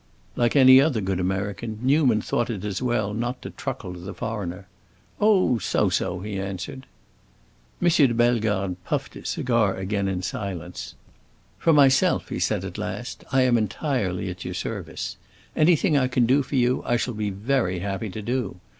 Like any other good American, Newman thought it as well not to truckle to the foreigner. "Oh, so so," he answered. M. de Bellegarde puffed his cigar again in silence. "For myself," he said at last, "I am entirely at your service. Anything I can do for you I shall be very happy to do.